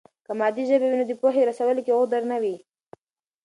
که مادي ژبه وي نو د پوهې رسولو کې غدر نه وي.